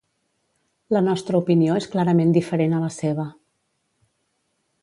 La nostra opinió és clarament diferent a la seva.